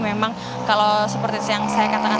memang kalau seperti yang saya katakan